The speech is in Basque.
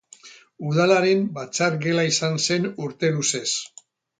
Udalaren batzar gela izan zen urte luzez.